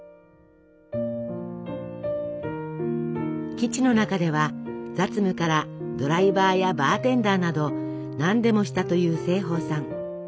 基地の中では雑務からドライバーやバーテンダーなど何でもしたという盛保さん。